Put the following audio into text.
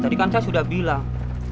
tadi kan saya sudah bilang